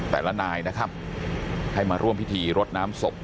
นายนะครับให้มาร่วมพิธีรดน้ำศพ